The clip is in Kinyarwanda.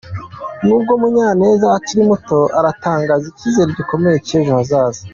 Nubwo Munyaneza akiri muto aratanga icyizere gikomeye cy’ejo hazaza.